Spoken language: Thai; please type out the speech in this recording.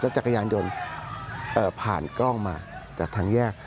จักรยานยนต์ผ่านกล้องมาจากทางแยก